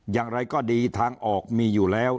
อย่างไรก็ดีทางออกมีอยู่แล้ว